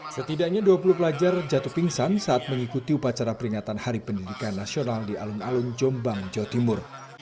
setidaknya dua puluh pelajar jatuh pingsan saat mengikuti upacara peringatan hari pendidikan nasional di alun alun jombang jawa timur